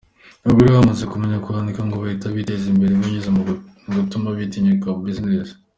Abagore bamaze kumenya kwandika ngo bahita biteza imbere binyuze mu gutuma batinyuka bisiness.